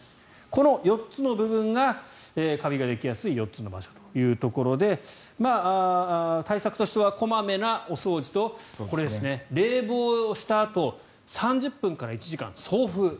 この４つの部分がカビができやすい４つの場所ということで対策としては小まめなお掃除とこれですね、冷房したあと３０分から１時間、送風。